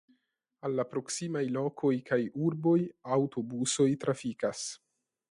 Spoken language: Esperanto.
Al la proksimaj lokoj kaj urboj aŭtobusoj trafikas.